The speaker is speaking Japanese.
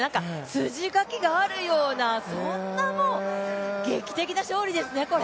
筋書きがあるようなそんな、もう劇的な勝利ですね、これ。